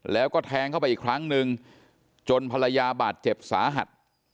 แล้วก็แทงเข้าไปอีกครั้งนึงจนภรรยาบาดเจ็บสาหัส